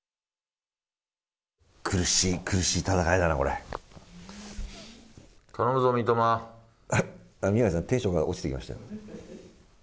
苦しい苦しい戦いだな、頼むぞ、宮根さん、テンションが落ちてきましたよ。